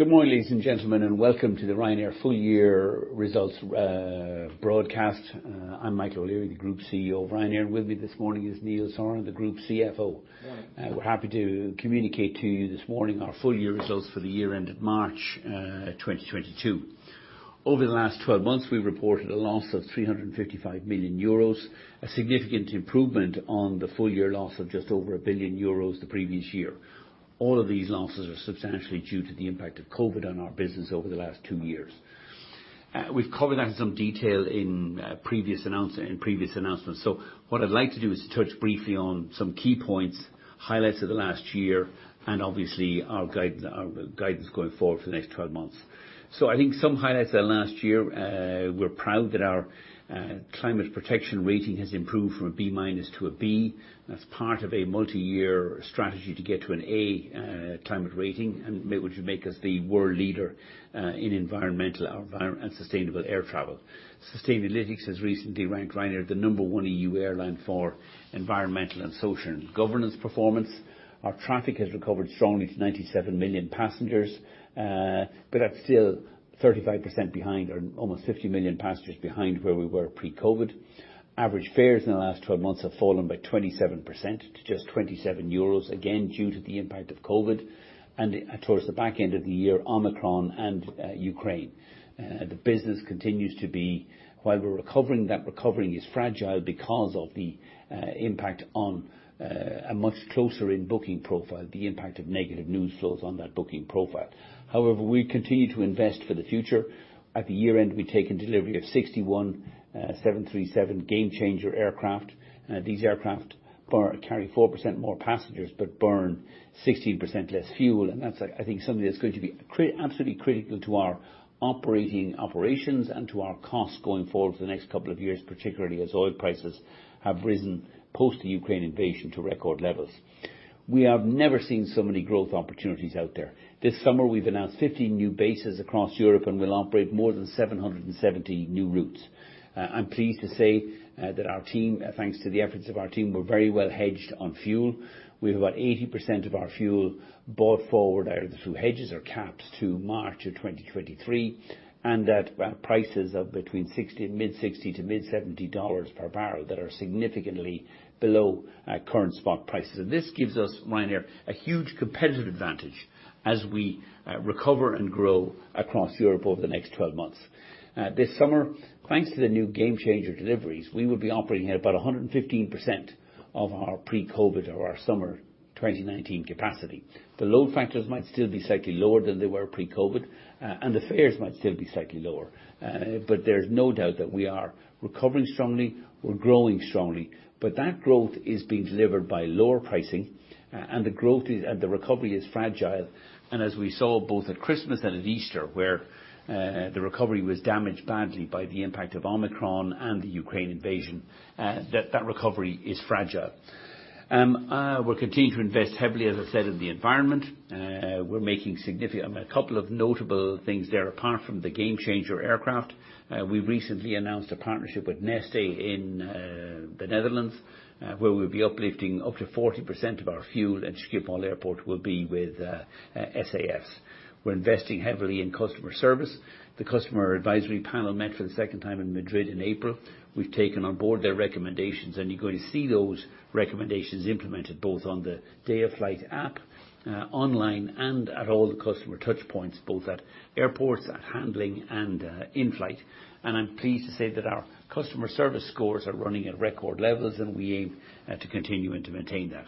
Good morning, ladies and gentlemen, and welcome to the Ryanair full year results broadcast. I'm Michael O'Leary, the Group CEO of Ryanair. With me this morning is Neil Sorahan, the Group CFO. Morning. We're happy to communicate to you this morning our full year results for the year end of March 2022. Over the last 12 months, we reported a loss of 355 million euros, a significant improvement on the full year loss of just over 1 billion euros the previous year. All of these losses are substantially due to the impact of COVID on our business over the last two years. We've covered that in some detail in previous announcements, so what I'd like to do is touch briefly on some key points, highlights of the last year, and obviously our guidance going forward for the next 12 months. I think some highlights of last year. We're proud that our climate protection rating has improved from a B- to a B. That's part of a multi-year strategy to get to an A climate rating and which would make us the world leader in environmental and sustainable air travel. Sustainalytics has recently ranked Ryanair the number one EU airline for environmental and social governance performance. Our traffic has recovered strongly to 97 million passengers, but that's still 35% behind or almost 50 million passengers behind where we were pre-COVID. Average fares in the last 12 months have fallen by 27% to just 27 euros, again, due to the impact of COVID and towards the back end of the year, Omicron and Ukraine. The business continues to be. While we're recovering, that recovery is fragile because of the impact on a much closer-in booking profile, the impact of negative news flows on that booking profile. However, we continue to invest for the future. At the year-end, we've taken delivery of 61 -- 737 Gamechanger aircraft. These aircraft carry 4% more passengers but burn 16% less fuel, and that's, I think something that's going to be absolutely critical to our operations and to our costs going forward for the next couple of years, particularly as oil prices have risen post the Ukraine invasion to record levels. We have never seen so many growth opportunities out there. This summer we've announced 15 new bases across Europe, and we'll operate more than 770 new routes. I'm pleased to say that our team, thanks to the efforts of our team, we're very well hedged on fuel. We have about 80% of our fuel brought forward or through hedges or caps to March of 2023, and at, well, prices of between mid-$60 to mid-$70 per barrel that are significantly below current spot prices. This gives us, Ryanair, a huge competitive advantage as we recover and grow across Europe over the next 12 months. This summer, thanks to the new Gamechanger deliveries, we will be operating at about 115% of our pre-COVID or our summer 2019 capacity. The load factors might still be slightly lower than they were pre-COVID, and the fares might still be slightly lower. There's no doubt that we are recovering strongly. We're growing strongly. That growth is being delivered by lower pricing, and the recovery is fragile. As we saw both at Christmas and at Easter, where the recovery was damaged badly by the impact of Omicron and the Ukraine invasion, that recovery is fragile. We're continuing to invest heavily, as I said, in the environment. A couple of notable things there. Apart from the Gamechanger aircraft, we recently announced a partnership with Neste in the Netherlands, where we'll be uplifting up to 40% of our fuel at Schiphol Airport will be with SAF. We're investing heavily in customer service. The customer advisory panel met for the second time in Madrid in April. We've taken on board their recommendations, and you're going to see those recommendations implemented both on the day-of-flight app, online and at all the customer touchpoints, both at airports, at handling and in-flight. I'm pleased to say that our customer service scores are running at record levels, and we aim to continue and to maintain that.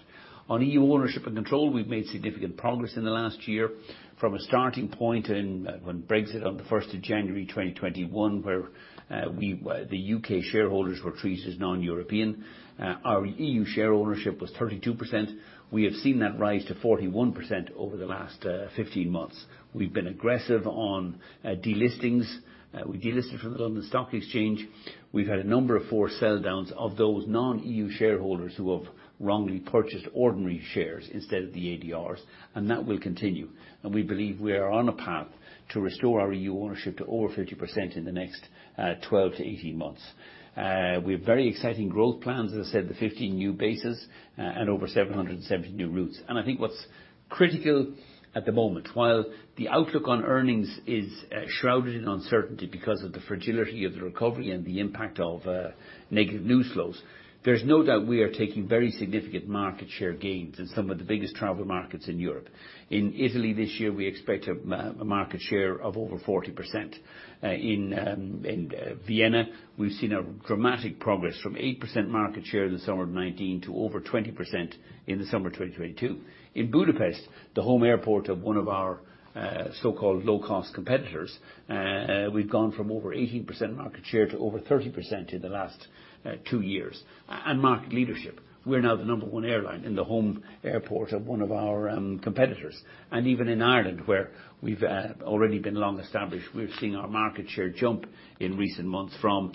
On EU ownership and control, we've made significant progress in the last year. From a starting point in when Brexit on the first of January 2021, where we, the U.K. shareholders were treated as non-European, our EU share ownership was 32%. We have seen that rise to 41% over the last 15 months. We've been aggressive on delistings. We delisted from the London Stock Exchange. We've had a number of four sell downs of those non-EU shareholders who have wrongly purchased ordinary shares instead of the ADRs, and that will continue, and we believe we are on a path to restore our EU ownership to over 50% in the next 12-18 months. We have very exciting growth plans, as I said, the 15 new bases, and over 770 new routes. I think what's critical at the moment, while the outlook on earnings is shrouded in uncertainty because of the fragility of the recovery and the impact of negative news flows, there's no doubt we are taking very significant market share gains in some of the biggest travel markets in Europe. In Italy this year, we expect a market share of over 40%. In Vienna, we've seen a dramatic progress from 8% market share in the summer of 2019 to over 20% in the summer of 2022. In Budapest, the home airport of one of our so-called low-cost competitors, we've gone from over 18% market share to over 30% in the last two years. Market leadership, we're now the number one airline in the home airport of one of our competitors. Even in Ireland, where we've already been long established, we're seeing our market share jump in recent months from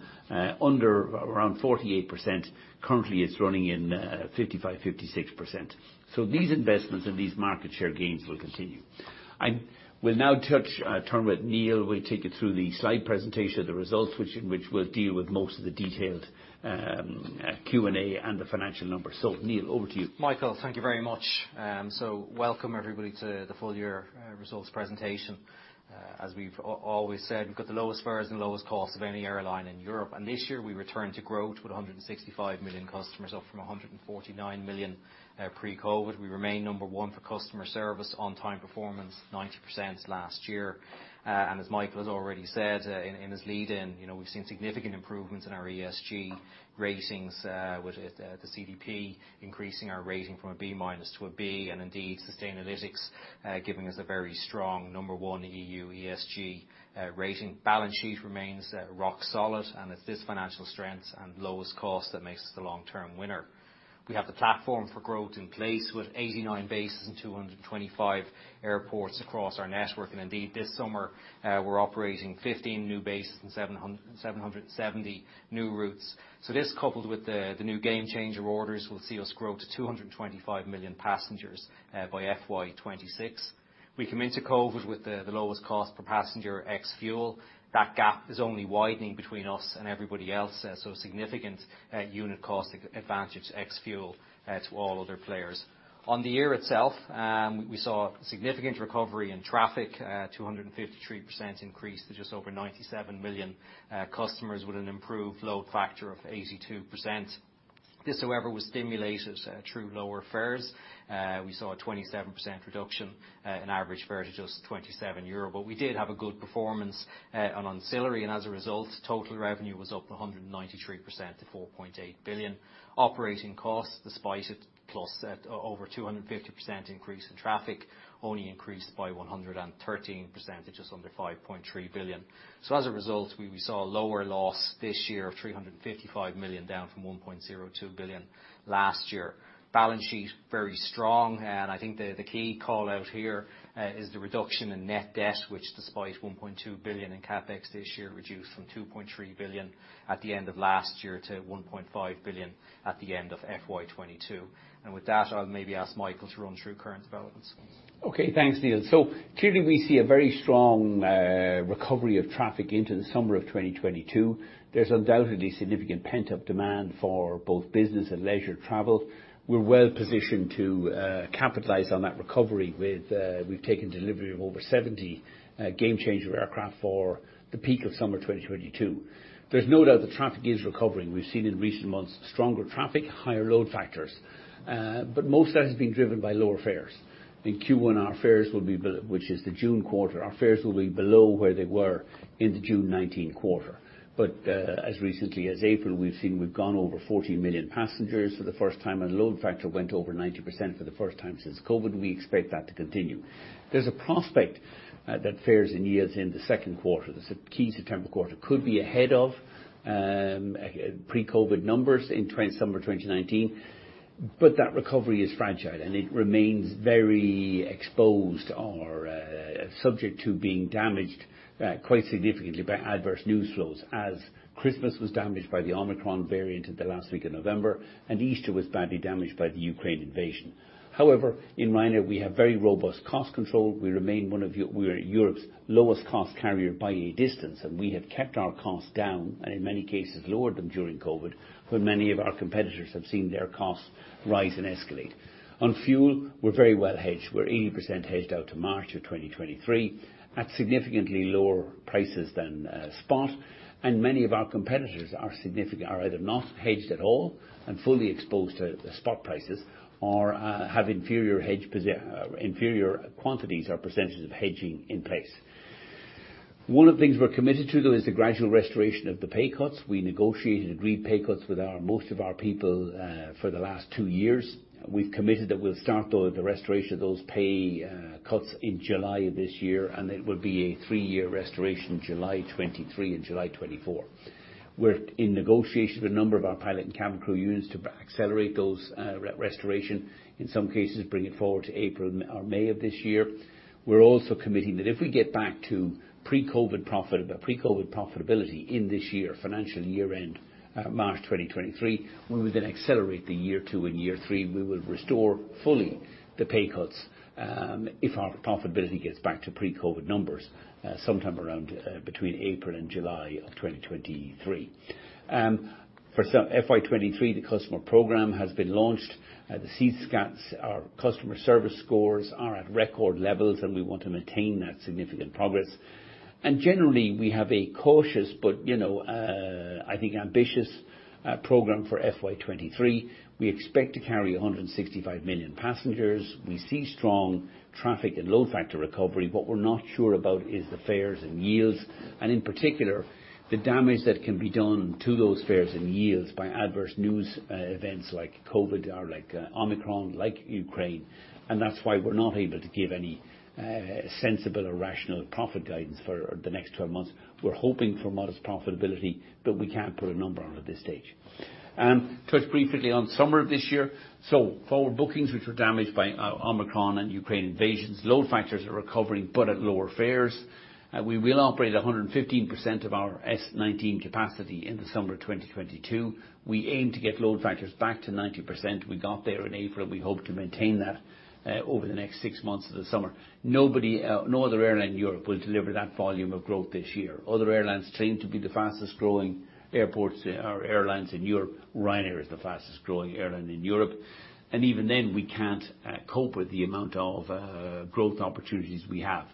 under around 48%. Currently, it's running in 55%-56%. These investments and these market share gains will continue. I will now turn to Neil who will take you through the slide presentation of the results, in which we'll deal with most of the detailed Q&A and the financial numbers. Neil, over to you. Michael, thank you very much. So welcome everybody to the full year results presentation. As we've always said, we've got the lowest fares and lowest costs of any airline in Europe. This year we returned to growth with 165 million customers, up from 149 million, pre-COVID. We remain number one for customer service on-time performance, 90% last year. As Michael has already said, in his lead-in, you know, we've seen significant improvements in our ESG ratings, with the CDP increasing our rating from a B- to a B and indeed Sustainalytics giving us a very strong number one EU ESG rating. Balance sheet remains rock solid, and it's this financial strength and lowest cost that makes us the long-term winner. We have the platform for growth in place with 89 bases and 225 airports across our network. This summer, we're operating 15 new bases and 770 new routes. This coupled with the new Gamechanger orders will see us grow to 225 million passengers by FY 2026. We come into COVID with the lowest cost per passenger ex-fuel. That gap is only widening between us and everybody else, so significant unit cost advantage ex-fuel to all other players. On the year itself, we saw significant recovery in traffic at 253% increase to just over 97 million customers with an improved load factor of 82%. This, however, was stimulated through lower fares. We saw a 27% reduction in average fare to just EUR 27. We did have a good performance on ancillary, and as a result, total revenue was up 193% to 4.8 billion. Operating costs, despite over 250% increase in traffic, only increased by 113% to just under 5.3 billion. We saw a lower loss this year of 355 million, down from 1.02 billion last year. Balance sheet very strong. I think the key call out here is the reduction in net debt, which, despite 1.2 billion in CapEx this year, reduced from 2.3 billion at the end of last year to 1.5 billion at the end of FY 2022. With that, I'll maybe ask Michael to run through current developments. Okay, thanks, Neil. Clearly we see a very strong recovery of traffic into the summer of 2022. There's undoubtedly significant pent-up demand for both business and leisure travel. We're well positioned to capitalize on that recovery with we've taken delivery of over 70 Gamechanger aircraft for the peak of summer 2022. There's no doubt that traffic is recovering. We've seen in recent months stronger traffic, higher load factors. Most of that has been driven by lower fares. In Q1, which is the June quarter, our fares will be below where they were in the June 2019 quarter. As recently as April, we've gone over 14 million passengers for the first time, and load factor went over 90% for the first time since COVID. We expect that to continue. There's a prospect that fares this year in the second quarter, the key September quarter, could be ahead of pre-COVID numbers in summer 2019. That recovery is fragile, and it remains very exposed or subject to being damaged quite significantly by adverse news flows, as Christmas was damaged by the Omicron variant in the last week of November, and Easter was badly damaged by the Ukraine invasion. However, in Ryanair, we have very robust cost control. We remain we're Europe's lowest cost carrier by a distance, and we have kept our costs down, and in many cases, lowered them during COVID, when many of our competitors have seen their costs rise and escalate. On fuel, we're very well hedged. We're 80% hedged out to March 2023 at significantly lower prices than spot. Many of our competitors are either not hedged at all and fully exposed to the spot prices or have inferior quantities or percentages of hedging in place. One of the things we're committed to, though, is the gradual restoration of the pay cuts. We negotiated agreed pay cuts with most of our people for the last two years. We've committed that we'll start the restoration of those pay cuts in July of this year, and it will be a three-year restoration, July 2023 and July 2024. We're in negotiations with a number of our pilot and cabin crew units to accelerate those restoration. In some cases, bring it forward to April or May of this year. We're also committing that if we get back to pre-COVID profitability in this year, financial year end, March 2023, we will then accelerate the year two and year three. We will restore fully the pay cuts, if our profitability gets back to pre-COVID numbers, sometime around, between April and July of 2023. For FY 2023, the customer program has been launched. The CSATs, our customer service scores are at record levels, and we want to maintain that significant progress. Generally, we have a cautious but, you know, I think ambitious, program for FY 2023. We expect to carry 165 million passengers. We see strong traffic and load factor recovery. What we're not sure about is the fares and yields, and in particular, the damage that can be done to those fares and yields by adverse news events like COVID or like Omicron, like Ukraine. That's why we're not able to give any sensible or rational profit guidance for the next 12 months. We're hoping for modest profitability, but we can't put a number on it at this stage. Touch briefly on summer of this year. Forward bookings, which were damaged by Omicron and Ukraine invasions. Load factors are recovering, but at lower fares. We will operate 115% of our S19 capacity in the summer of 2022. We aim to get load factors back to 90%. We got there in April. We hope to maintain that over the next six months of the summer. No other airline in Europe will deliver that volume of growth this year. Other airlines claim to be the fastest growing airports or airlines in Europe. Ryanair is the fastest growing airline in Europe. Even then, we can't cope with the amount of growth opportunities we have.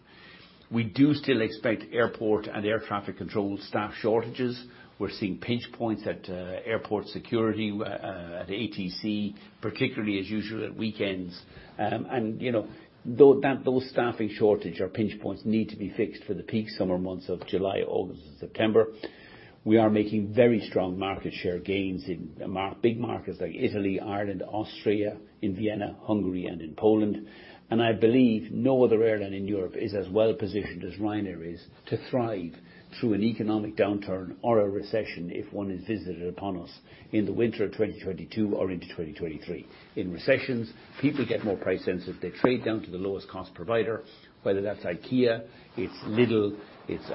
We do still expect airport and air traffic control staff shortages. We're seeing pinch points at airport security at ATC, particularly as usual at weekends. You know, though those staffing shortage or pinch points need to be fixed for the peak summer months of July, August and September. We are making very strong market share gains in big markets like Italy, Ireland, Austria, in Vienna, Hungary, and in Poland. I believe no other airline in Europe is as well positioned as Ryanair is to thrive through an economic downturn or a recession if one is visited upon us in the winter of 2022 or into 2023. In recessions, people get more price sensitive. They trade down to the lowest cost provider, whether that's IKEA, it's Lidl, it's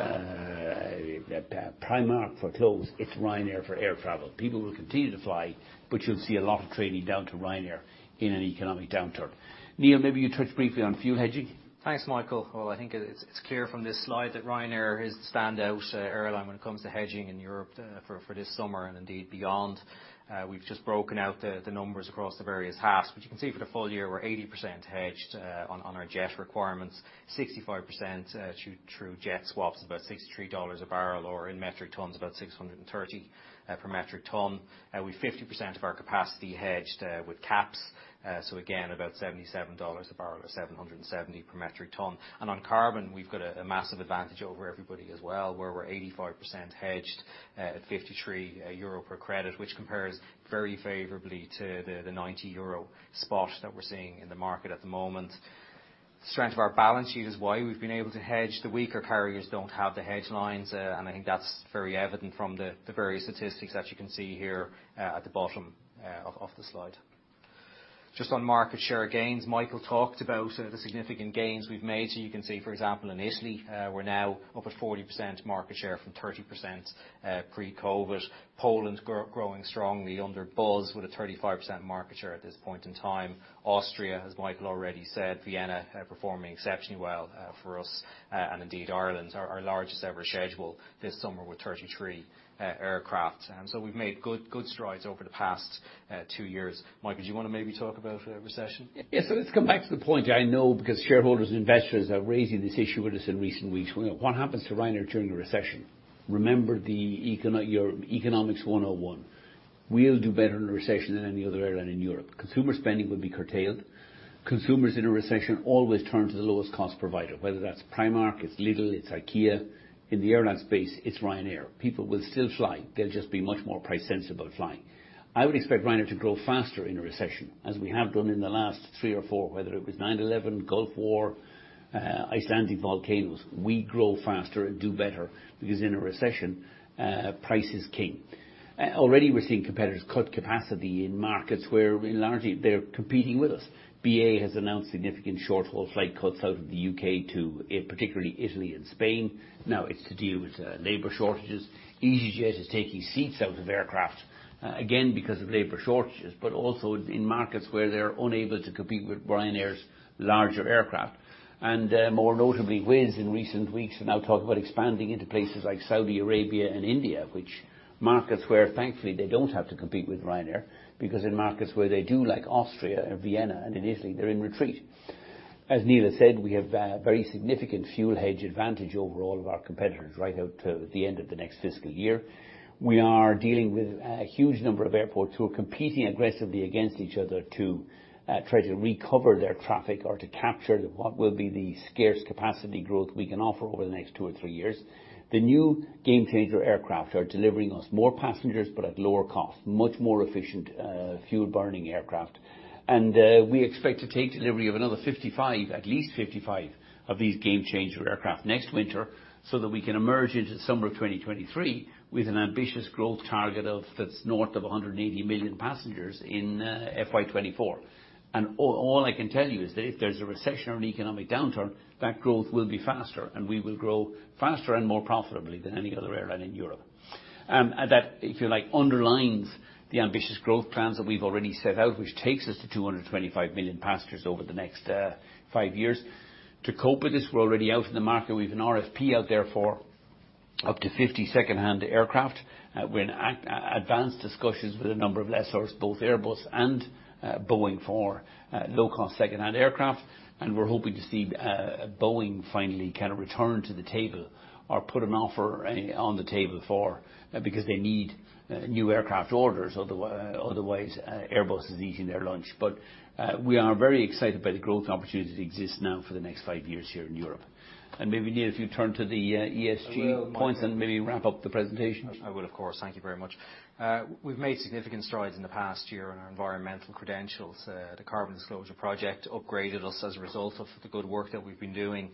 Primark for clothes, it's Ryanair for air travel. People will continue to fly, but you'll see a lot of trading down to Ryanair in an economic downturn. Neil, maybe you touch briefly on fuel hedging. Thanks, Michael. Well, I think it's clear from this slide that Ryanair is the standout airline when it comes to hedging in Europe for this summer and indeed beyond. We've just broken out the numbers across the various halves. You can see for the full year we're 80% hedged on our jet requirements. 65% through jet swaps, about $63 a barrel, or in metric tons, about 630 per metric ton. With 50% of our capacity hedged with caps. So again, about $77 a barrel or 770 per metric ton. On carbon we've got a massive advantage over everybody as well, where we're 85% hedged at 53 euro per credit, which compares very favorably to the 90 euro spot that we're seeing in the market at the moment. Strength of our balance sheet is why we've been able to hedge. The weaker carriers don't have the hedge lines, and I think that's very evident from the various statistics that you can see here at the bottom of the slide. Just on market share gains, Michael talked about the significant gains we've made. You can see, for example, in Italy, we're now up at 40% market share from 30% pre-COVID. Poland growing strongly under Buzz with a 35% market share at this point in time. Austria, as Michael already said, Vienna performing exceptionally well for us and indeed Ireland, our largest ever schedule this summer with 33 aircraft. We've made good strides over the past two years. Michael, do you wanna maybe talk about a recession? Yes. Let's come back to the point. I know because shareholders and investors are raising this issue with us in recent weeks. What happens to Ryanair during a recession? Remember your economics 101. We'll do better in a recession than any other airline in Europe. Consumer spending will be curtailed. Consumers in a recession always turn to the lowest cost provider, whether that's Primark, it's Lidl, it's IKEA. In the airline space, it's Ryanair. People will still fly. They'll just be much more price sensitive about flying. I would expect Ryanair to grow faster in a recession, as we have done in the last three or four, whether it was 9/11, Gulf War, Icelandic volcanoes. We grow faster and do better because in a recession, price is king. Already we're seeing competitors cut capacity in markets where they're largely competing with us. BA has announced significant short-haul flight cuts out of the U.K. to particularly Italy and Spain. Now it's to deal with labor shortages. easyJet is taking seats out of aircraft, again because of labor shortages, but also in markets where they're unable to compete with Ryanair's larger aircraft. More notably, Wizz in recent weeks have now talked about expanding into places like Saudi Arabia and India, which markets where thankfully they don't have to compete with Ryanair, because in markets where they do like Austria and Vienna and in Italy, they're in retreat. As Neil has said, we have a very significant fuel hedge advantage over all of our competitors right out to the end of the next fiscal year. We are dealing with a huge number of airports who are competing aggressively against each other to try to recover their traffic or to capture what will be the scarce capacity growth we can offer over the next two or three years. The new Gamechanger aircraft are delivering us more passengers, but at lower cost, much more efficient fuel burning aircraft. We expect to take delivery of another 55, at least 55 of these Gamechanger aircraft next winter, so that we can emerge into summer of 2023 with an ambitious growth target of, that's north of 180 million passengers in FY 2024. All I can tell you is that if there's a recession or an economic downturn, that growth will be faster and we will grow faster and more profitably than any other airline in Europe. That, if you like, underlines the ambitious growth plans that we've already set out, which takes us to 225 million passengers over the next five years. To cope with this, we're already out in the market with an RFP out there for up to 50 secondhand aircraft. We're in advanced discussions with a number of lessors, both Airbus and Boeing for low-cost secondhand aircraft. We're hoping to see Boeing finally kind of return to the table or put an offer on the table for, because they need new aircraft orders. Otherwise, Airbus is eating their lunch. We are very excited by the growth opportunities that exist now for the next five years here in Europe. Maybe, Neil, if you turn to the ESG points and maybe wrap up the presentation. I will, of course. Thank you very much. We've made significant strides in the past year on our environmental credentials. The Carbon Disclosure Project upgraded us as a result of the good work that we've been doing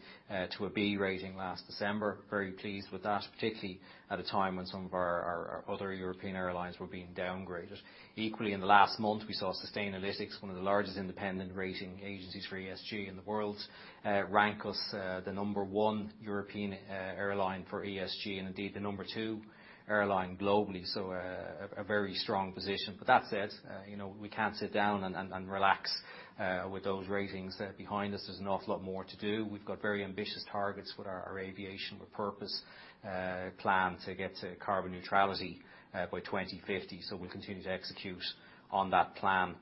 to a B rating last December. Very pleased with that, particularly at a time when some of our other European airlines were being downgraded. Equally, in the last month, we saw Sustainalytics, one of the largest independent rating agencies for ESG in the world, rank us the number one European airline for ESG, and indeed the number two airline globally, so a very strong position. That said, you know, we can't sit down and relax with those ratings behind us. There's an awful lot more to do. We've got very ambitious targets with our Aviation with Purpose plan to get to carbon neutrality by 2050, so we'll continue to execute on that plan.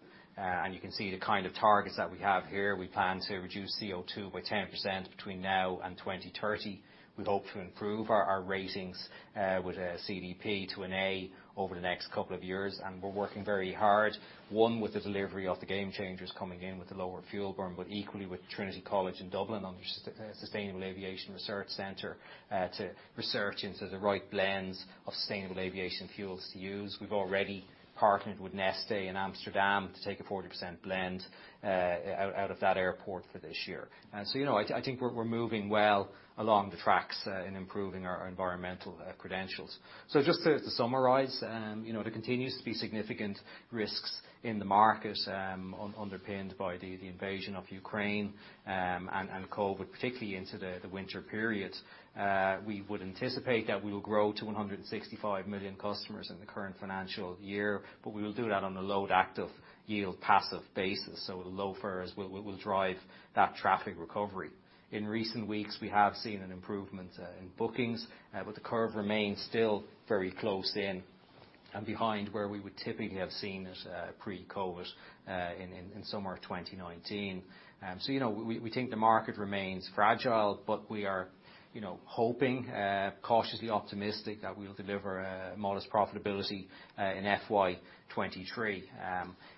You can see the kind of targets that we have here. We plan to reduce CO2 by 10% between now and 2030. We hope to improve our ratings with CDP to an A over the next couple of years, and we're working very hard one with the delivery of the Gamechangers coming in with the lower fuel burn, but equally with Trinity College Dublin on the Sustainable Aviation Research Center to research into the right blends of sustainable aviation fuels to use. We've already partnered with Neste in Amsterdam to take a 40% blend out of that airport for this year. You know, I think we're moving well along the tracks in improving our environmental credentials. Just to summarize, you know, there continues to be significant risks in the market, underpinned by the invasion of Ukraine and COVID, particularly into the winter period. We would anticipate that we will grow to 165 million customers in the current financial year, but we will do that on a load factor yield passive basis, so low fares will drive that traffic recovery. In recent weeks, we have seen an improvement in bookings, but the curve remains still very closed in and behind where we would typically have seen it, pre-COVID, in summer of 2019. You know, we think the market remains fragile, but we are, you know, hoping, cautiously optimistic that we'll deliver a modest profitability in FY 2023.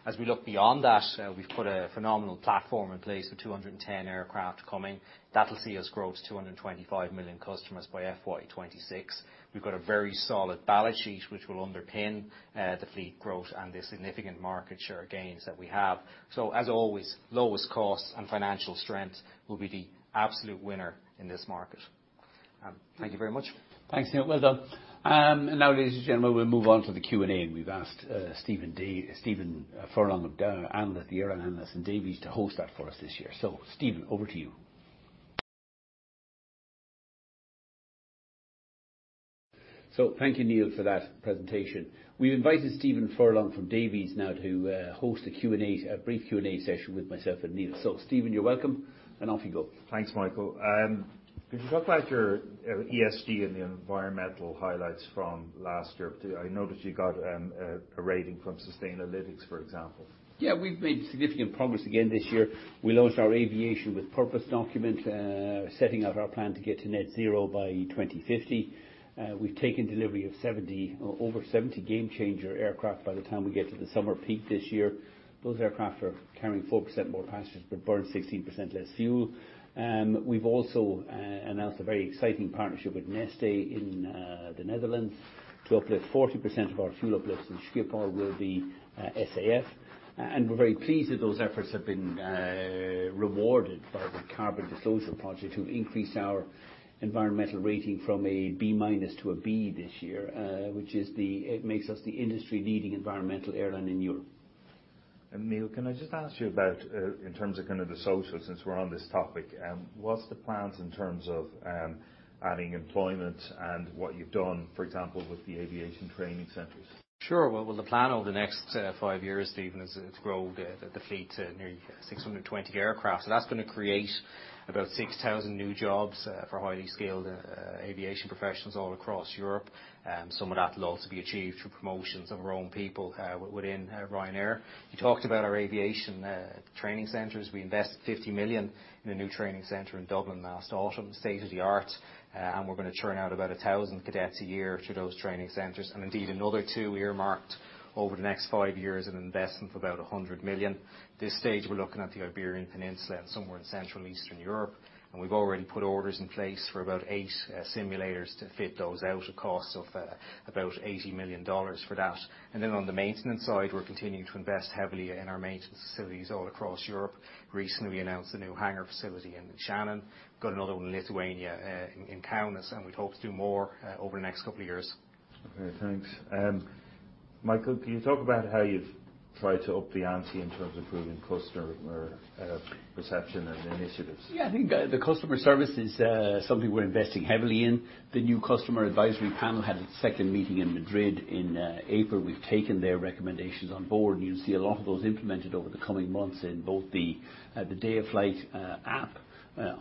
As we look beyond that, we've put a phenomenal platform in place with 210 aircraft coming. That'll see us grow to 225 million customers by FY 2026. We've got a very solid balance sheet which will underpin the fleet growth and the significant market share gains that we have. As always, lowest cost and financial strength will be the absolute winner in this market. Thank you very much. Thanks, Neil. Well done. Now, ladies and gentlemen, we'll move on to the Q&A, and we've asked Stephen Furlong of Davy to host that for us this year. Stephen, over to you. Thank you, Neil, for that presentation. We've invited Stephen Furlong from Davy now to host a brief Q&A session with myself and Neil. Stephen, you're welcome, and off you go. Thanks, Michael. Could you talk about your ESG and the environmental highlights from last year? I noticed you got a rating from Sustainalytics, for example. Yeah. We've made significant progress again this year. We launched our Aviation with Purpose document, setting out our plan to get to net zero by 2050. We've taken delivery of 70 or over 70 Gamechanger aircraft by the time we get to the summer peak this year. Those aircraft are carrying 4% more passengers but burn 16% less fuel. We've also announced a very exciting partnership with Neste in the Netherlands to uplift 40% of our fuel uplifts in Schiphol will be SAF. We're very pleased that those efforts have been rewarded by the Carbon Disclosure Project to increase our environmental rating from a B- to a B this year, which makes us the industry-leading environmental airline in Europe. Neil, can I just ask you about in terms of kind of the social, since we're on this topic, what's the plans in terms of adding employment and what you've done, for example, with the aviation training centers? Sure. Well, the plan over the next five years, Stephen, is to grow the fleet to nearly 620 aircraft. That's gonna create about 6,000 new jobs for highly skilled aviation professionals all across Europe. Some of that will also be achieved through promotions of our own people within Ryanair. You talked about our aviation training centers. We invested 50 million in a new training center in Dublin last autumn, state-of-the-art. We're gonna churn out about 1,000 cadets a year through those training centers, and indeed another two we earmarked over the next five years, an investment of about 100 million. This stage we're looking at the Iberian Peninsula and somewhere in Central and Eastern Europe, and we've already put orders in place for about eight simulators to fit those out, a cost of about $80 million for that. On the maintenance side, we're continuing to invest heavily in our maintenance facilities all across Europe. Recently, we announced a new hangar facility in Shannon. Got another one in Lithuania in Kaunas, and we'd hope to do more over the next couple of years. Okay, thanks. Michael, can you talk about how you've tried to up the ante in terms of improving customer perception and initiatives? Yeah. I think the customer service is something we're investing heavily in. The new customer advisory panel had its second meeting in Madrid in April. We've taken their recommendations on board, and you'll see a lot of those implemented over the coming months in both the day of flight app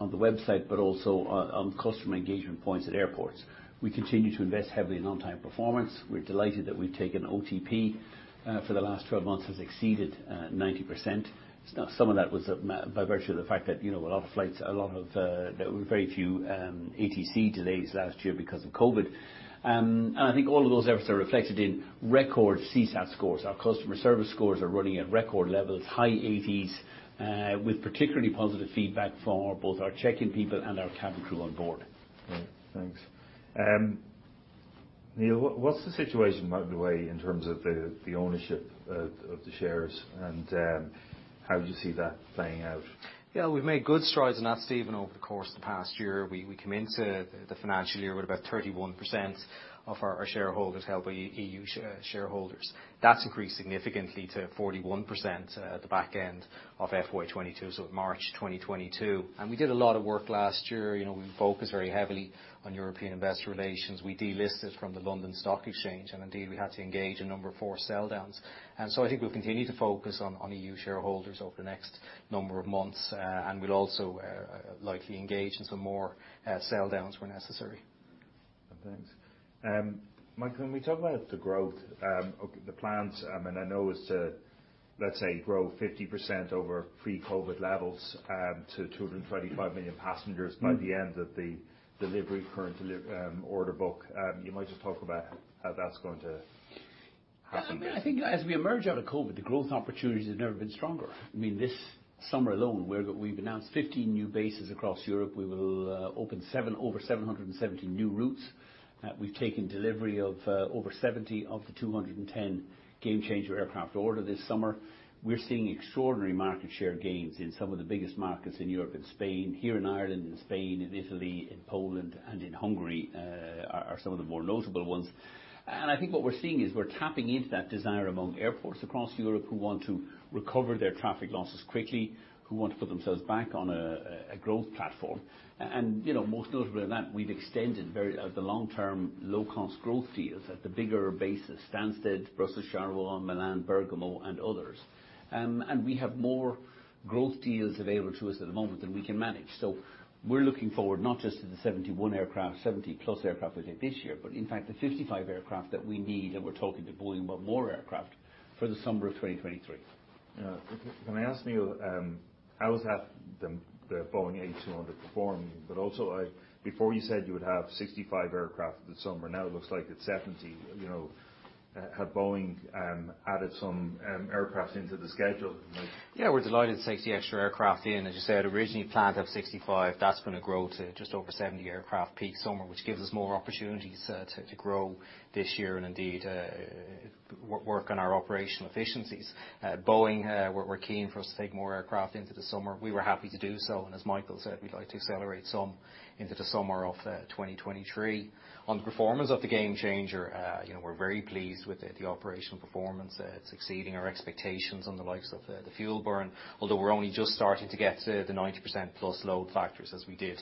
on the website, but also on customer engagement points at airports. We continue to invest heavily in on-time performance. We're delighted that OTP for the last 12 months has exceeded 90%. Some of that was by virtue of the fact that, you know, a lot of flights there were very few ATC delays last year because of COVID. I think all of those efforts are reflected in record CSAT scores. Our customer service scores are running at record levels, high 80s, with particularly positive feedback for both our check-in people and our cabin crew on board. Right. Thanks. Neil, what's the situation by the way in terms of the ownership of the shares and how do you see that playing out? Yeah. We've made good strides in that, Stephen, over the course of the past year. We come into the financial year with about 31% of our shareholders held by EU shareholders. That's increased significantly to 41% at the back end of FY 2022, so at March 2022. We did a lot of work last year. You know, we focused very heavily on European Investor Relations. We delisted from the London Stock Exchange, and indeed, we had to engage a number of forced sell-downs. I think we'll continue to focus on EU shareholders over the next number of months. We'll also likely engage in some more sell-downs where necessary. Thanks. Michael, can we talk about the growth of the plans? I know it's to, let's say, grow 50% over pre-COVID levels to 225 million passengers by the end of the delivery, current order book. You might just talk about how that's going to happen. Yeah. I mean, I think as we emerge out of COVID, the growth opportunities have never been stronger. I mean, this summer alone, we've announced 15 new bases across Europe. We will open over 770 new routes. We've taken delivery of over 70 of the 210 Gamechanger aircraft order this summer. We're seeing extraordinary market share gains in some of the biggest markets in Europe and Spain. Here in Ireland and Spain and Italy, in Poland and in Hungary, are some of the more notable ones. I think what we're seeing is we're tapping into that desire among airports across Europe who want to recover their traffic losses quickly, who want to put themselves back on a growth platform. You know, most notably in that we've extended the long-term low-cost growth deals at the bigger bases, Stansted, Brussels Charleroi, Milan Bergamo and others. We have more growth deals available to us at the moment than we can manage. We're looking forward not just to the 71 aircraft, 70+ aircraft we did this year, but in fact the 55 aircraft that we need, and we're talking to Boeing about more aircraft for the summer of 2023. Can I ask Neil, how is the Boeing 8-200 performing, but also, before you said you would have 65 aircraft this summer. Now it looks like it's 70. You know, has Boeing added some aircraft into the schedule? Like- Yeah. We're delighted to take the extra aircraft in. As you said, originally planned to have 65. That's gonna grow to just over 70 aircraft peak summer, which gives us more opportunities to grow this year and indeed work on our operational efficiencies. Boeing were keen for us to take more aircraft into the summer. We were happy to do so, and as Michael said, we'd like to accelerate some into the summer of 2023. On the performance of the Gamechanger, you know, we're very pleased with the operational performance. It's exceeding our expectations on the likes of the fuel burn, although we're only just starting to get to the 90%+ load factors as we did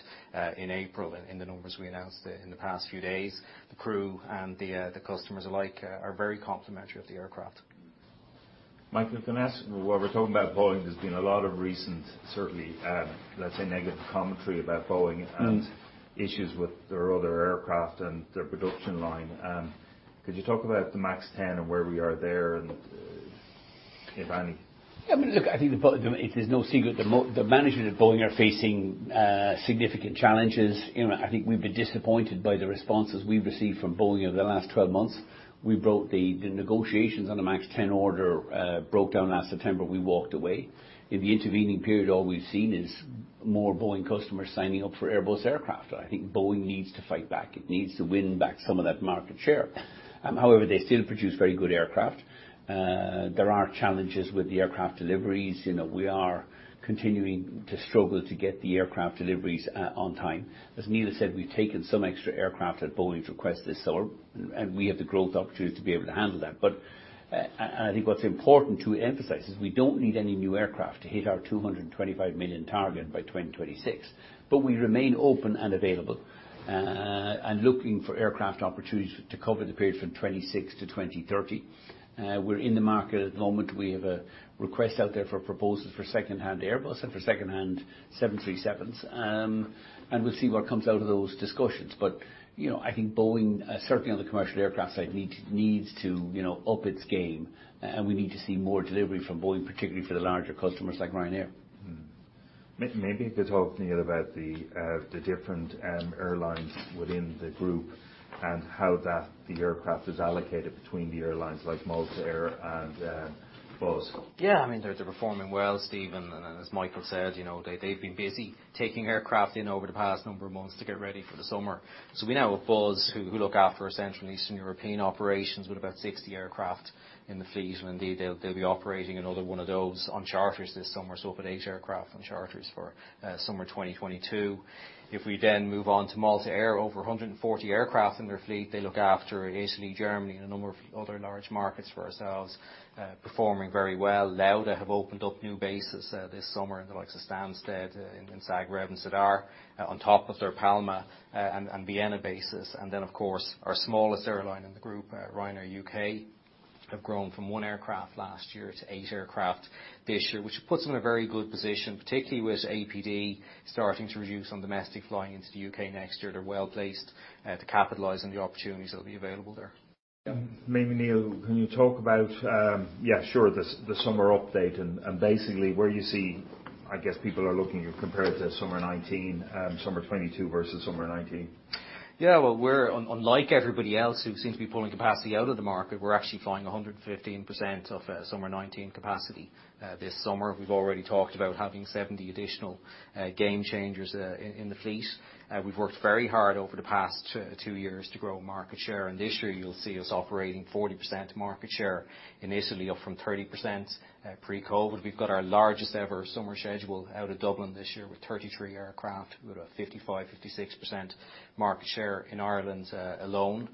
in April in the numbers we announced in the past few days. The crew and the customers alike are very complimentary of the aircraft. Michael, can I ask while we're talking about Boeing, there's been a lot of recent certainly, let's say negative commentary about Boeing. Mm-hmm. Issues with their other aircraft and their production line. Could you talk about the MAX 10 and where we are there and if any? Yeah. Look, I think it is no secret the management of Boeing are facing significant challenges. You know, I think we've been disappointed by the responses we've received from Boeing over the last 12 months. The negotiations on the MAX 10 order broke down last September, we walked away. In the intervening period, all we've seen is more Boeing customers signing up for Airbus aircraft. I think Boeing needs to fight back. It needs to win back some of that market share. However, they still produce very good aircraft. There are challenges with the aircraft deliveries. You know, we are continuing to struggle to get the aircraft deliveries on time. As Neil has said, we've taken some extra aircraft at Boeing's request this summer, and we have the growth opportunity to be able to handle that. I think what's important to emphasize is we don't need any new aircraft to hit our 225 million target by 2026. We remain open and available and looking for aircraft opportunities to cover the period from 2026 to 2030. We're in the market at the moment. We have a request out there for proposals for second-hand Airbus and for second-hand 737s. We'll see what comes out of those discussions. You know, I think Boeing certainly on the commercial aircraft side needs to up its game, and we need to see more delivery from Boeing, particularly for the larger customers like Ryanair. Mm-hmm. Maybe you could talk, Neil, about the different airlines within the group and how the aircraft is allocated between the airlines like Malta Air and Buzz. Yeah. I mean, they're performing well, Stephen, and as Michael said, you know, they've been busy taking aircraft in over the past number of months to get ready for the summer. We now have Buzz who look after our Central and Eastern European operations with about 60 aircraft in the fleet. Indeed they'll be operating another one of those on charters this summer, up to eight aircraft on charters for summer 2022. If we then move on to Malta Air, over 140 aircraft in their fleet. They look after Italy, Germany and a number of other large markets for ourselves. Performing very well. Lauda have opened up new bases this summer in the likes of Stansted, in Zagreb and Zadar, on top of their Palma and Vienna bases. Of course our smallest airline in the group, Ryanair U.K., have grown from one aircraft last year to eight aircraft this year. Which puts them in a very good position, particularly with APD starting to reduce on domestic flying into the U.K. next year. They're well-placed to capitalize on the opportunities that'll be available there. Maybe Neil, can you talk about, yeah, sure, the summer update and basically where you see, I guess people are looking at compared to summer 2019, summer 2022 versus summer 2019? Yeah, well, we're unlike everybody else who seems to be pulling capacity out of the market. We're actually flying 115% of summer 2019 capacity this summer. We've already talked about having 70 additional Gamechangers in the fleet. We've worked very hard over the past two years to grow market share, and this year you'll see us operating 40% market share in Italy, up from 30% pre-COVID. We've got our largest ever summer schedule out of Dublin this year with 33 aircraft. We've got a 55%-56% market share in Ireland alone.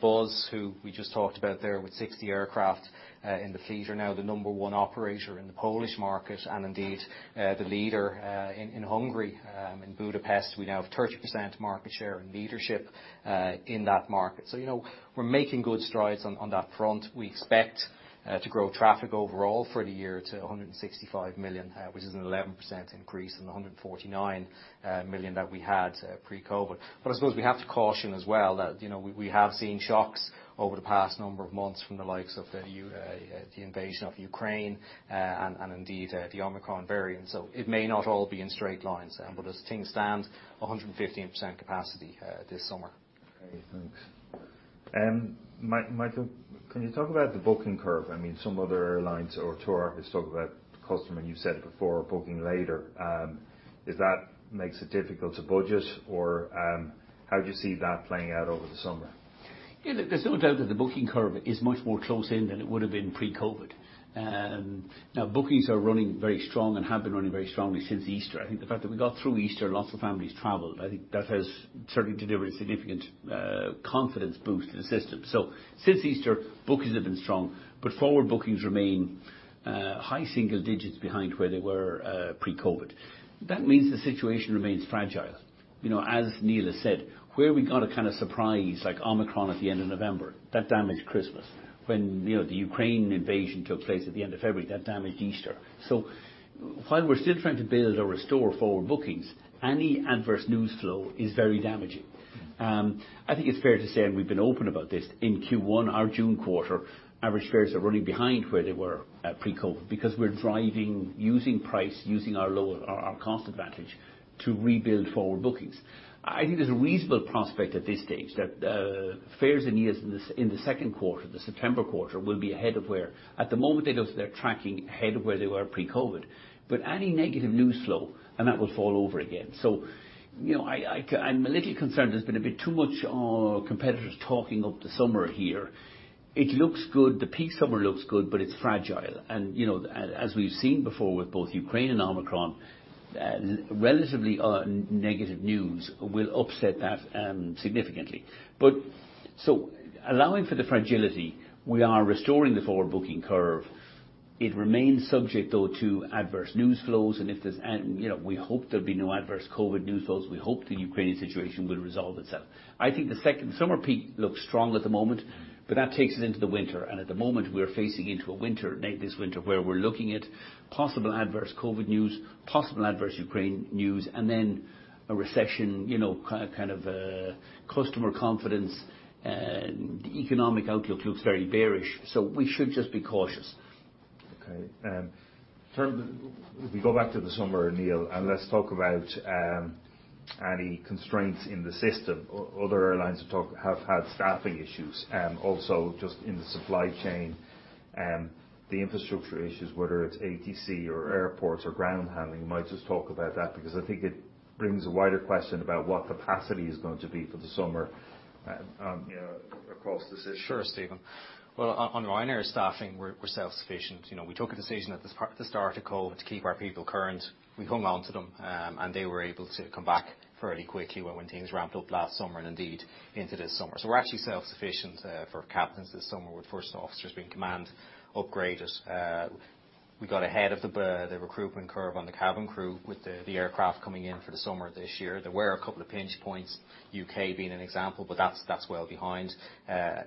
Buzz, who we just talked about there, with 60 aircraft in the fleet, are now the number one operator in the Polish market and indeed the leader in Hungary. In Budapest we now have 30% market share and leadership in that market. You know, we're making good strides on that front. We expect to grow traffic overall for the year to 165 million, which is an 11% increase on the 149 million that we had pre-COVID. I suppose we have to caution as well that, you know, we have seen shocks over the past number of months from the likes of the invasion of Ukraine, and indeed, the Omicron variant. It may not all be in straight lines. As things stand, 115% capacity this summer. Okay, thanks. Michael, can you talk about the booking curve? I mean, some other airlines or tour operators talk about customers. You've said it before, booking later. Does that make it difficult to budget, or how do you see that playing out over the summer? Yeah, there's no doubt that the booking curve is much more closed in than it would've been pre-COVID. Now bookings are running very strong and have been running very strongly since Easter. I think the fact that we got through Easter, lots of families traveled, I think that has certainly delivered a significant confidence boost to the system. Since Easter, bookings have been strong, but forward bookings remain high single digits behind where they were pre-COVID. That means the situation remains fragile. You know, as Neil has said, where we got a kind of surprise, like Omicron at the end of November, that damaged Christmas. When, you know, the Ukraine invasion took place at the end of February, that damaged Easter. While we're still trying to build or restore forward bookings, any adverse news flow is very damaging. I think it's fair to say, and we've been open about this, in Q1, our June quarter, average fares are running behind where they were at pre-COVID because we're driving using price, using our low cost advantage to rebuild forward bookings. I think there's a reasonable prospect at this stage that fares this year, in the second quarter, the September quarter, will be ahead of where they were pre-COVID. At the moment they're tracking ahead of where they were pre-COVID. Any negative news flow, and that will fall over again. You know, I'm a little concerned there's been a bit too much competitors talking up the summer here. It looks good. The peak summer looks good, but it's fragile. You know, as we've seen before with both Ukraine and Omicron, relatively negative news will upset that significantly. Allowing for the fragility, we are restoring the forward booking curve. It remains subject though to adverse news flows, and you know, we hope there'll be no adverse COVID news flows. We hope the Ukrainian situation will resolve itself. I think the second summer peak looks strong at the moment, but that takes us into the winter, and at the moment we are facing into this winter, where we're looking at possible adverse COVID news, possible adverse Ukraine news, and then a recession. You know, kind of, customer confidence and the economic outlook looks very bearish. We should just be cautious. Okay. If we go back to the summer, Neil, and let's talk about any constraints in the system. Other airlines have had staffing issues, also just in the supply chain, the infrastructure issues, whether it's ATC or airports or ground handling. You might just talk about that, because I think it brings a wider question about what capacity is going to be for the summer, you know, across the system. Sure, Stephen. Well, on Ryanair staffing we're self-sufficient. You know, we took a decision at the start of COVID to keep our people current. We hung on to them, and they were able to come back fairly quickly when things ramped up last summer and indeed into this summer. We're actually self-sufficient for captains this summer with first officers being command upgraded. We got ahead of the recruitment curve on the cabin crew with the aircraft coming in for the summer this year. There were a couple of pinch points, U.K. being an example, but that's well behind.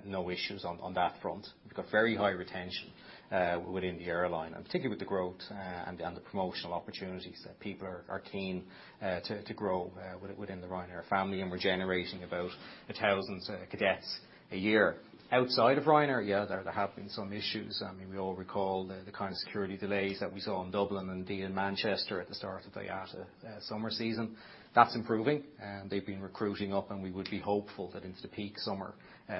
No issues on that front. We've got very high retention within the airline, and particularly with the growth and the promotional opportunities. People are keen to grow within the Ryanair family, and we're generating about 1,000 cadets a year. Outside of Ryanair, yeah, there have been some issues. I mean, we all recall the kind of security delays that we saw in Dublin and indeed in Manchester at the start of the IATA summer season. That's improving, and they've been recruiting up, and we would be hopeful that into the peak summer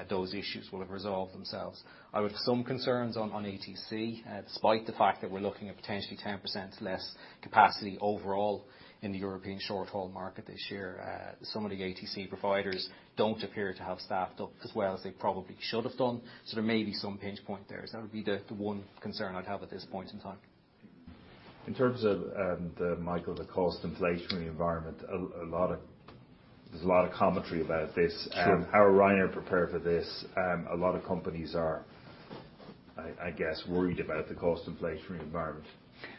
those issues will have resolved themselves. I would have some concerns on ATC despite the fact that we're looking at potentially 10% less capacity overall in the European short-haul market this year. Some of the ATC providers don't appear to have staffed up as well as they probably should have done, so there may be some pinch point there. That would be the one concern I'd have at this point in time. In terms of Michael, the cost inflationary environment, there's a lot of commentary about this. Sure. How are Ryanair prepared for this? A lot of companies are, I guess, worried about the cost inflationary environment.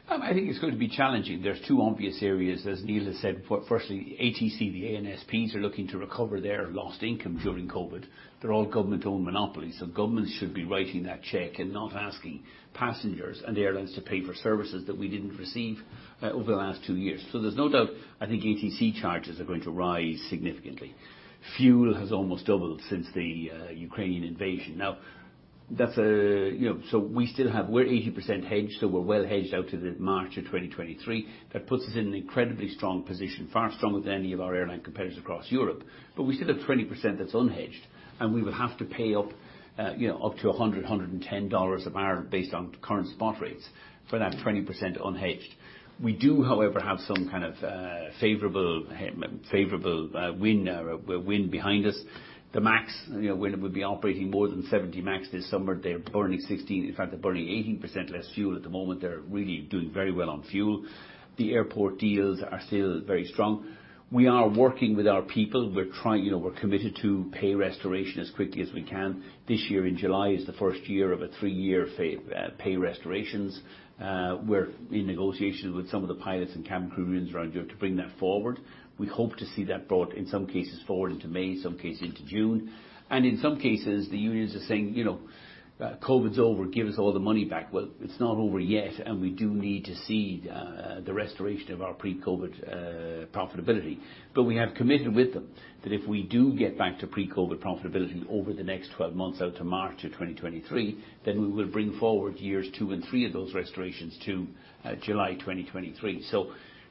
I think it's going to be challenging. There's two obvious areas, as Neil has said. Firstly, ATC, the ANSPs are looking to recover their lost income during COVID. They're all government-owned monopolies, so governments should be writing that check and not asking passengers and the airlines to pay for services that we didn't receive over the last two years. There's no doubt I think ATC charges are going to rise significantly. Fuel has almost doubled since the Ukrainian invasion. You know, we're 80% hedged, so we're well hedged out to March 2023. That puts us in an incredibly strong position, far stronger than any of our airline competitors across Europe. We still have 20% that's unhedged, and we will have to pay up, you know, up to $110 a barrel based on current spot rates for that 20% unhedged. We do, however, have some kind of favorable wind behind us. The MAX, you know, when we'd be operating more than 70 MAX this summer, they're burning 18% less fuel at the moment. They're really doing very well on fuel. The airport deals are still very strong. We are working with our people. We're committed to pay restoration as quickly as we can. This year in July is the first year of a three-year pay restorations. We're in negotiations with some of the pilots and cabin crew unions around Europe to bring that forward. We hope to see that brought, in some cases, forward into May, in some cases into June. In some cases, the unions are saying, "You know, COVID's over, give us all the money back." Well, it's not over yet, and we do need to see the restoration of our pre-COVID profitability. We have committed with them that if we do get back to pre-COVID profitability over the next 12 months out to March 2023, then we will bring forward years two and three of those restorations to July 2023.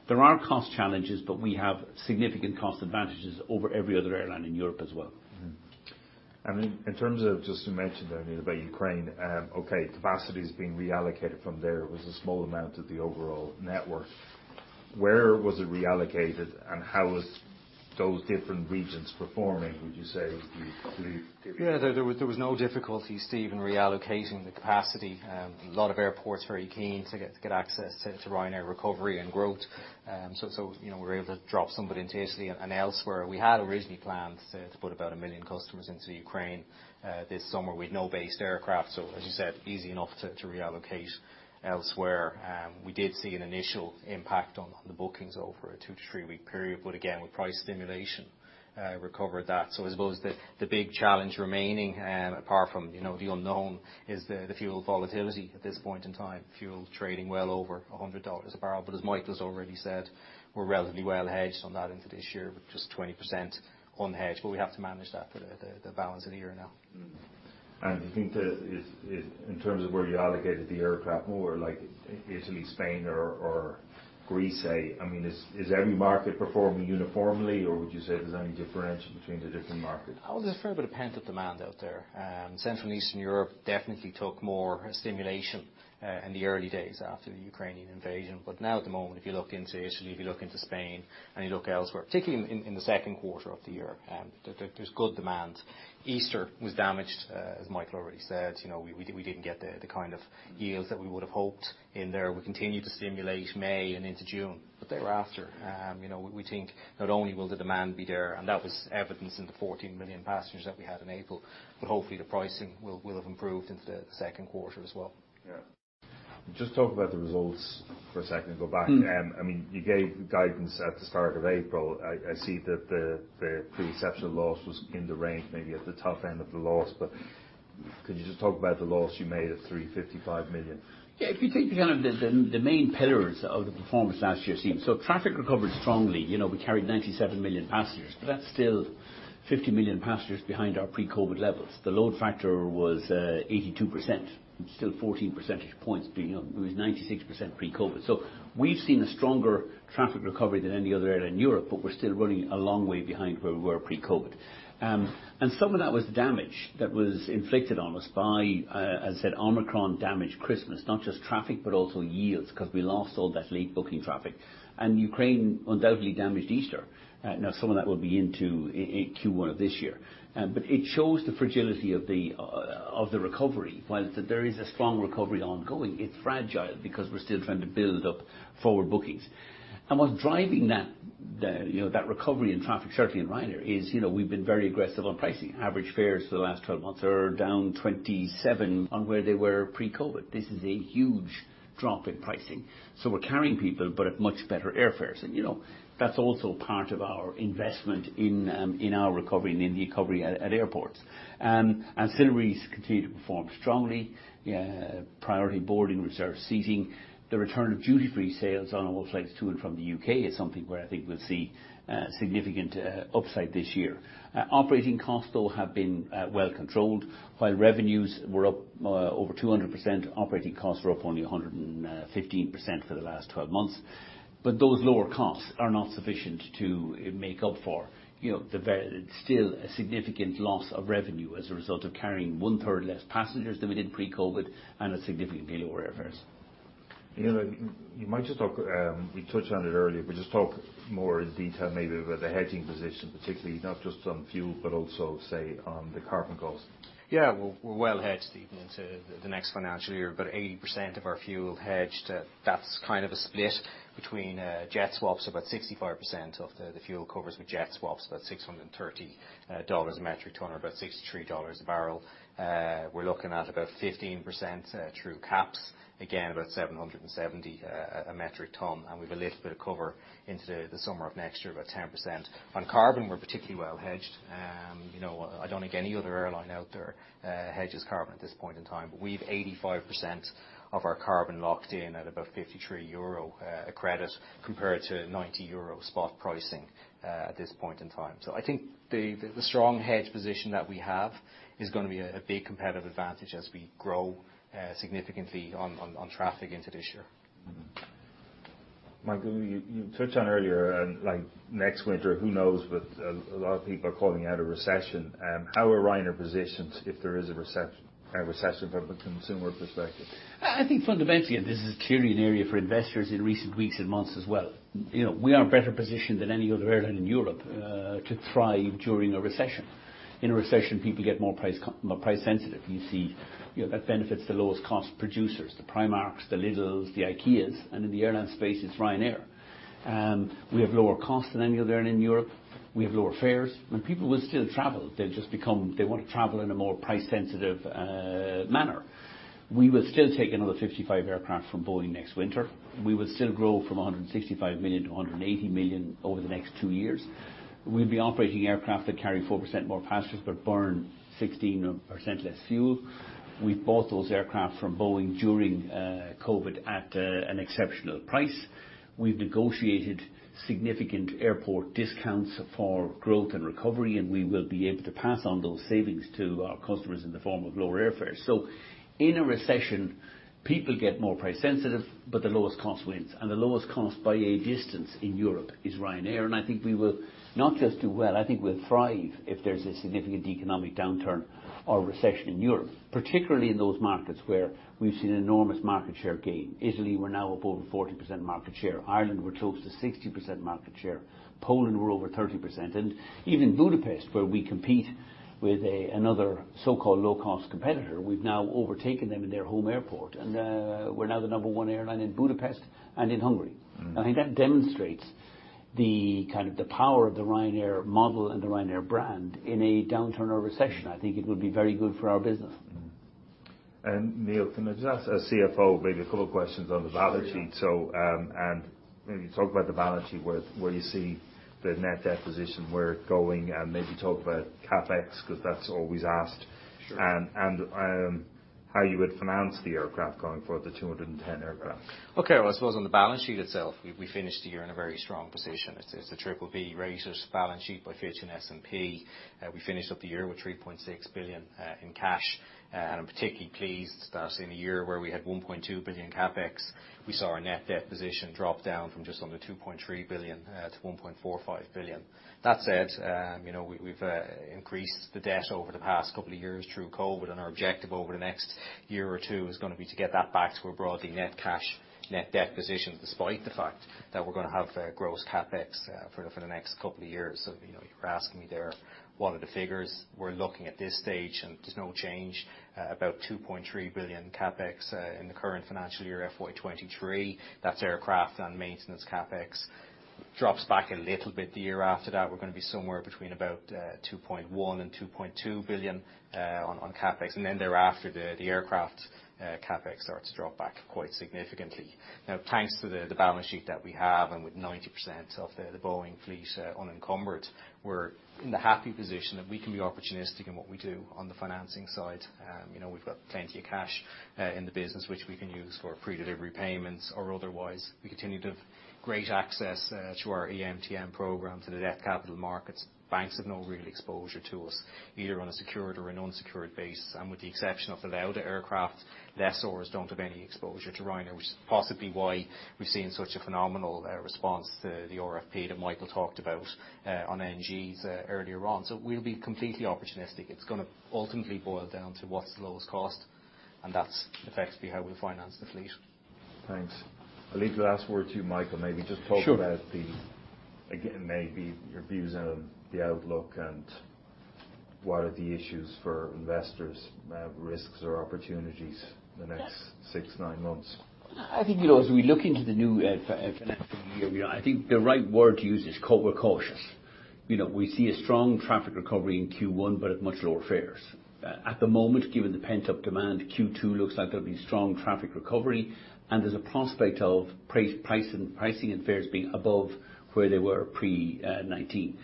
There are cost challenges, but we have significant cost advantages over every other airline in Europe as well. Mm-hmm. In terms of just you mentioned earlier about Ukraine, okay, capacity is being reallocated from there. It was a small amount of the overall network. Where was it reallocated, and how was those different regions performing, would you say the- Yeah. There was no difficulty, Stephen, in reallocating the capacity. A lot of airports very keen to get access to Ryanair recovery and growth. You know, we're able to drop somebody into Italy and elsewhere. We had originally planned to put about 1 million customers into Ukraine this summer with no based aircraft, so as you said, easy enough to reallocate elsewhere. We did see an initial impact on the bookings over a two-three-week period, but again, with price stimulation, recovered that. I suppose the big challenge remaining, apart from, you know, the unknown is the fuel volatility at this point in time. Fuel trading well over $100 a barrel. As Michael has already said, we're relatively well hedged on that into this year with just 20% unhedged, but we have to manage that for the balance of the year now. Is in terms of where you allocated the aircraft, more like Italy, Spain or Greece, say, I mean, is every market performing uniformly, or would you say there's any differentiation between the different markets? Oh, there's a fair bit of pent-up demand out there. Central and Eastern Europe definitely took more stimulation in the early days after the Ukrainian invasion. Now at the moment, if you look into Italy, if you look into Spain, and you look elsewhere, particularly in the second quarter of the year, there's good demand. Easter was damaged, as Michael already said. You know, we didn't get the kind of yields that we would have hoped in there. We continue to stimulate May and into June, but thereafter, you know, we think not only will the demand be there, and that was evidenced in the 14 million passengers that we had in April, but hopefully the pricing will have improved into the second quarter as well. Yeah. Just talk about the results for a second and go back. Mm-hmm. I mean, you gave guidance at the start of April. I see that the exceptional loss was in the range, maybe at the top end of the loss. Could you just talk about the loss you made at 355 million? Yeah, if you take the main pillars of the performance last year, Stephen. Traffic recovered strongly. You know, we carried 97 million passengers. That's still 50 million passengers behind our pre-COVID levels. The load factor was 82%. It's still 14 percentage points. You know, it was 96% pre-COVID. We've seen a stronger traffic recovery than any other airline in Europe, but we're still running a long way behind where we were pre-COVID. Some of that was damage that was inflicted on us by, as I said, Omicron damaged Christmas, not just traffic, but also yields, 'cause we lost all that late booking traffic. Ukraine undoubtedly damaged Easter. Now some of that will be into Q1 of this year. But it shows the fragility of the recovery. While there is a strong recovery ongoing, it's fragile because we're still trying to build up forward bookings. What's driving that, you know, that recovery in traffic, certainly in Ryanair, is, you know, we've been very aggressive on pricing. Average fares for the last 12 months are down 27% on where they were pre-COVID. This is a huge drop in pricing. We're carrying people, but at much lower airfares. You know, that's also part of our investment in our recovery and in the recovery at airports. Ancillaries continued to perform strongly. Priority boarding, reserved seating. The return of duty-free sales on all flights to and from the U.K. is something where I think we'll see significant upside this year. Operating costs, though, have been well controlled. While revenues were up over 200%, operating costs were up only 115% for the last 12 months. Those lower costs are not sufficient to make up for, you know, still a significant loss of revenue as a result of carrying one-third less passengers than we did pre-COVID and at significantly lower airfares. You know, you might just talk, we touched on it earlier, but just talk more in detail maybe about the hedging position, particularly not just on fuel, but also, say, on the carbon costs. Yeah. We're well hedged even into the next financial year. About 80% of our fuel hedged. That's kind of a split between jet swaps, about 65% of the fuel covers with jet swaps, about $630 a metric ton or about $63 a barrel. We're looking at about 15%, through caps, again, about $770 a metric ton, and we've a little bit of cover into the summer of next year, about 10%. On carbon, we're particularly well hedged. You know, I don't think any other airline out there hedges carbon at this point in time. We've 85% of our carbon locked in at about 53 euro a credit compared to 90 euro spot pricing at this point in time. I think the strong hedge position that we have is gonna be a big competitive advantage as we grow significantly on traffic into this year. Michael, you touched on earlier, like next winter, who knows? A lot of people are calling it a recession. How are Ryanair positioned if there is a recession from a consumer perspective? I think fundamentally, and this is clearly an area for investors in recent weeks and months as well, you know, we are better positioned than any other airline in Europe to thrive during a recession. In a recession, people get more price sensitive. You see, you know, that benefits the lowest cost producers, the Primarks, the Lidls, the IKEAs, and in the airline space, it's Ryanair. We have lower costs than any other airline in Europe. We have lower fares. When people will still travel, they'll just wanna travel in a more price sensitive manner. We will still take another 55 aircraft from Boeing next winter. We will still grow from 165 million to 180 million over the next two years. We'll be operating aircraft that carry 4% more passengers but burn 16% less fuel. We've bought those aircraft from Boeing during COVID at an exceptional price. We've negotiated significant airport discounts for growth and recovery, and we will be able to pass on those savings to our customers in the form of lower airfares. In a recession, people get more price sensitive, but the lowest cost wins. The lowest cost by a distance in Europe is Ryanair, and I think we will not just do well. I think we'll thrive if there's a significant economic downturn or recession in Europe, particularly in those markets where we've seen enormous market share gain. Italy, we're now above 40% market share. Ireland, we're close to 60% market share. Poland, we're over 30%. Even Budapest, where we compete with another so-called low-cost competitor, we've now overtaken them in their home airport. We're now the number one airline in Budapest and in Hungary. Mm. I think that demonstrates the kind of power of the Ryanair model and the Ryanair brand in a downturn or recession. I think it will be very good for our business. Neil, can I just ask as CFO maybe a couple of questions on the balance sheet? Sure, yeah. Maybe talk about the balance sheet, where you see the net debt position, where it's going, and maybe talk about CapEx, 'cause that's always asked. Sure. How would you finance the aircraft going forward, the 210 aircraft. Okay. Well, I suppose on the balance sheet itself, we finished the year in a very strong position. It's a BBB rated balance sheet by Fitch and S&P. We finished up the year with 3.6 billion in cash. I'm particularly pleased that in a year where we had 1.2 billion CapEx, we saw our net debt position drop down from just under 2.3 billion to 1.45 billion. That said, you know, we've increased the debt over the past couple of years through COVID, and our objective over the next year or two is gonna be to get that back to a broadly net cash, net debt position, despite the fact that we're gonna have a gross CapEx for the next couple of years. You know, you're asking me there what are the figures. We're looking at this stage, and there's no change, about 2.3 billion CapEx in the current financial year, FY 2023. That's aircraft and maintenance CapEx. Drops back a little bit the year after that. We're gonna be somewhere between about 2.1 billion-2.2 billion on CapEx. Thereafter, the aircraft CapEx starts to drop back quite significantly. Now, thanks to the balance sheet that we have, and with 90% of the Boeing fleet unencumbered, we're in the happy position that we can be opportunistic in what we do on the financing side. You know, we've got plenty of cash in the business which we can use for pre-delivery payments or otherwise. We continue to have great access to our EMTN programs and the debt capital markets. Banks have no real exposure to us, either on a secured or an unsecured basis. With the exception of the Lauda aircraft, lessors don't have any exposure to Ryanair, which is possibly why we've seen such a phenomenal response to the RFP that Michael talked about on NGs earlier on. We'll be completely opportunistic. It's gonna ultimately boil down to what's the lowest cost, and that's effectively how we'll finance the fleet. Thanks. I'll leave the last word to you, Michael. Sure. The, again, maybe your views on the outlook and what are the issues for investors, risks or opportunities the next- Yeah.... six, nine months. I think, you know, as we look into the new year for next year, you know, I think the right word to use is we're cautious. You know, we see a strong traffic recovery in Q1, but at much lower fares. At the moment, given the pent-up demand, Q2 looks like there'll be strong traffic recovery, and there's a prospect of pricing and fares being above where they were pre-2019.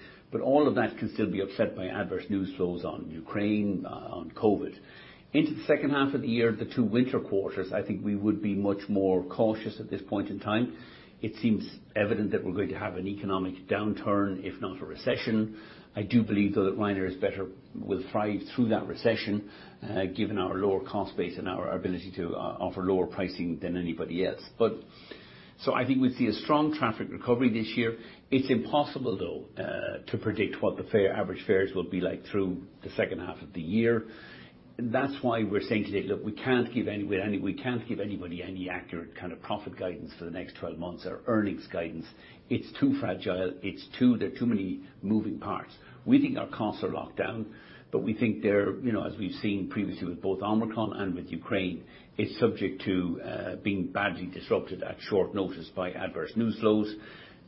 All of that can still be upset by adverse news flows on Ukraine, on COVID. Into the second half of the year, the two winter quarters, I think we would be much more cautious at this point in time. It seems evident that we're going to have an economic downturn, if not a recession. I do believe, though, that Ryanair is better. Will thrive through that recession, given our lower cost base and our ability to offer lower pricing than anybody else. I think we see a strong traffic recovery this year. It's impossible, though, to predict what average fares will be like through the second half of the year. That's why we're saying today, look, we can't give anybody any accurate kind of profit guidance for the next 12 months or earnings guidance. It's too fragile. There are too many moving parts. We think our costs are locked down, but we think they're, you know, as we've seen previously with both Omicron and with Ukraine, it's subject to being badly disrupted at short notice by adverse news flows.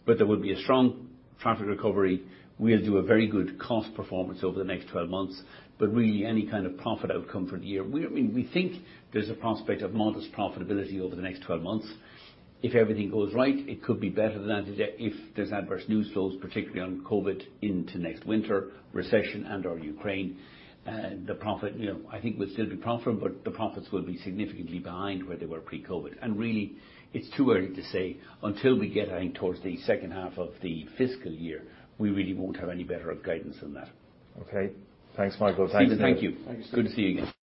There will be a strong traffic recovery. We'll do a very good cost performance over the next 12 months. Really any kind of profit outcome for the year, we, I mean, we think there's a prospect of modest profitability over the next 12 months. If everything goes right, it could be better than that. If there's adverse news flows, particularly on COVID into next winter, recession and/or Ukraine, the profit, you know, I think we'll still be profitable, but the profits will be significantly behind where they were pre-COVID. Really, it's too early to say. Until we get, I think, towards the second half of the fiscal year, we really won't have any better guidance than that. Okay. Thanks, Michael. Thanks. Stephen, thank you. Thanks. Good seeing you.